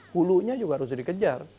hulunya juga harus dikejar